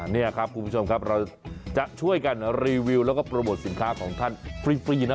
นี่ครับคุณผู้ชมครับเราจะช่วยกันรีวิวแล้วก็โปรโมทสินค้าของท่านฟรีนะ